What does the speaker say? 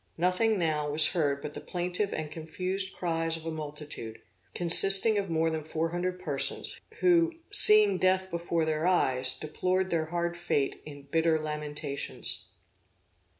Nothing now was heard but the plaintive and confused cries of a multitude, consisting of more than four hundred persons, who, seeing death before their eyes, deplored their hard fate in bitter lamentations.